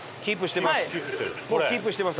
もうキープしてます。